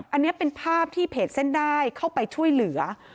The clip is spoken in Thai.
อันนี้เป็นภาพที่เพจเส้นได้เข้าไปช่วยเหลือ